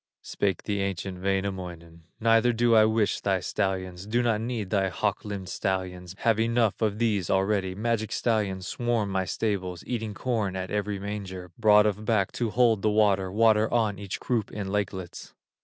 Spake the ancient Wainamoinen: "Neither do I wish thy stallions, Do not need thy hawk limbed stallions, Have enough of these already; Magic stallions swarm my stables, Eating corn at every manger, Broad of back to hold the water, Water on each croup in lakelets."